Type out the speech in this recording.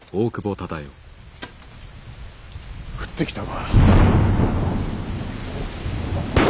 降ってきたか。